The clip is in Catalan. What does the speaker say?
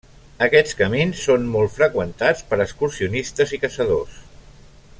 Aquests camins són molt freqüentats per excursionistes i caçadors.